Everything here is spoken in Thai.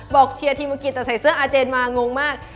บอกเชียร์ทีเมื่อกี้แต่ใส่เสื้ออาเจนมางงมาก